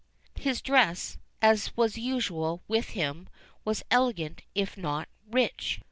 His dress, as was usual with him, was elegant, if not rich.